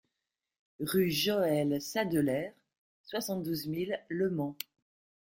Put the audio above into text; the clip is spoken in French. Rue Joël Sadeler, soixante-douze mille Le Mans